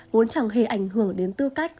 vốn chẳng hề ảnh hưởng đến tư cách